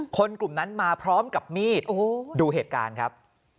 กลุ่มนั้นมาพร้อมกับมีดดูเหตุการณ์ครับ